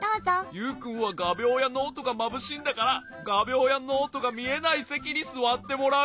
ユウくんはがびょうやノートがまぶしいんだからがびょうやノートがみえないせきにすわってもらう。